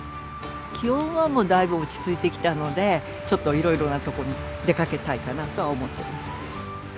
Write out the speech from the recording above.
気温はだいぶ落ち着いてきたので、ちょっといろいろな所に出かけたいかなとは思ってます。